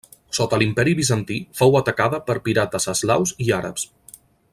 Sota l'imperi bizantí fou atacada per pirates eslaus i àrabs.